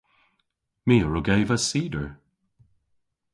My a wrug eva cider.